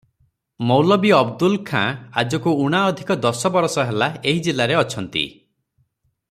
ମୌଲବୀ ଅବଦୁଲ ଖାଁ ଆଜକୁ ଊଣା ଅଧିକ ଦଶ ବରଷ ହେଲା ଏହି ଜିଲାରେ ଅଛନ୍ତି ।